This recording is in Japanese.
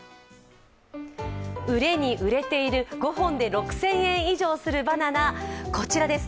売れに売れている５本で６０００円以上するバナナ、こちらです